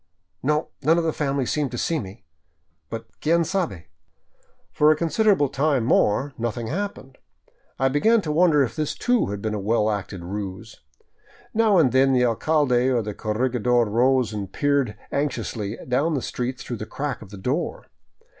No, none of the family seemed to see me, but quien sabe?" For a considerable time more nothing happened. I began to wonder if this, too, had been a well acted ruse. Now and then the alcalde or the corregidor rose and peered anxiously down the street through the crack of the door.